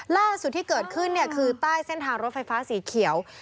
ล่าสุดที่เกิดขึ้นคือใต้เส้นทางรถไฟฟ้าสีเขียว